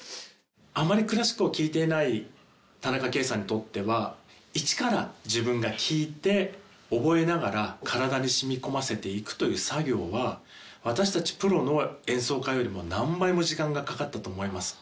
あんまりクラシックを聴いていない田中圭さんにとっては１から自分が聞いて覚えながら体に染み込ませていくという作業は私たちプロの演奏家よりも何倍も時間がかかったと思います。